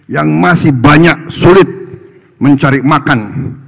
yang masih banyak sulit mencari makan